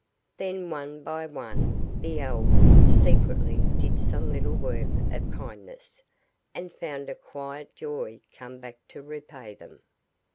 Then, one by one, the Elves secretly did some little work of kindness, and found a quiet joy come back to repay them.